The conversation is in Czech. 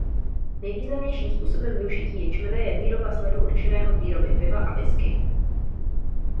Nejvýznamnějším způsobem využití ječmene je výroba sladu určeného k výrobě piva a whisky.